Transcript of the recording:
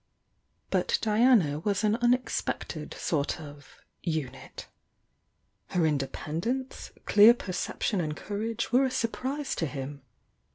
But Diana was an unexpected sort of "unit." Her independence, clear perception and courage were a surprise to him.